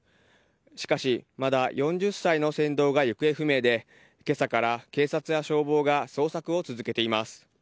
しかし、まだ４０歳の船頭が行方不明で今朝から警察や消防が捜索を続けています。